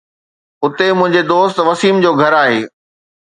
اتي منهنجي دوست وسيم جو گهر آهي